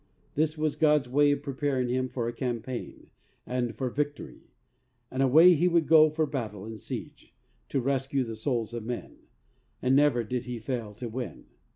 This was God's way of preparing him for a campaign, and for victory, and away he would go for battle and siege, to rescue the souls of men, and never did he fail to win.